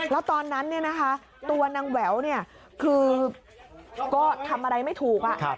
แล้วตอนนั้นเนี่ยนะคะตัวนางแหววเนี่ยคือก็ทำอะไรไม่ถูก